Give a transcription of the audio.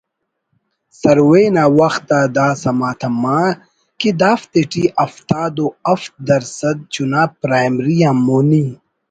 سروے نا وخت آ دا سما تما کہ دافتیٹی ہفتاد و ہفت درسَد چنا پرائمری آن مونی